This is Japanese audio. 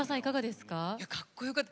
かっこよかった。